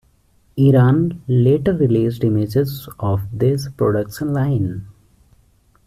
Iran later released images of this production line.